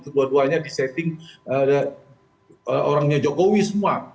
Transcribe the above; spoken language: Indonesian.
dua duanya disetting orangnya jokowi semua